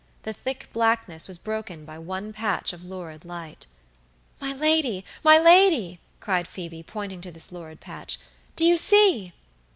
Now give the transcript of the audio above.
The thick blackness was broken by one patch of lurid light. "My lady, my lady!" cried Phoebe, pointing to this lurid patch; "do you see?"